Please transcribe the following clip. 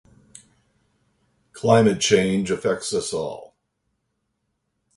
Climate change affects us all.